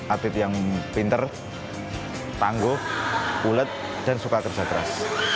atlet yang pinter tangguh ulet dan suka kerja keras